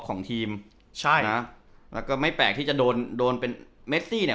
ของทีมใช่นะแล้วก็ไม่แปลกที่จะโดนโดนเป็นเมซี่เนี่ย